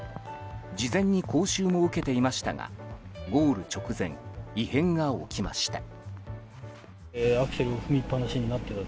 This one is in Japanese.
事前に講習も受けていましたがゴール直前、異変が起きました。